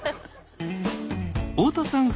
大田さん